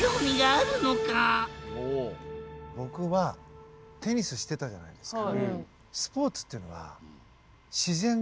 僕はテニスしてたじゃないですか。